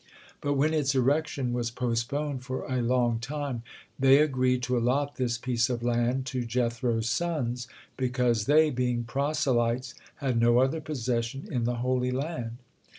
But when its erection was postponed for a long time, they agreed to allot this piece of land to Jethro's sons, because they, being proselytes, had no other possession in the Holy Land.